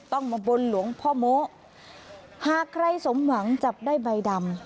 ต้องมาบนหลวงพ่อโม้หากใครสมหวังจับได้ใบดำ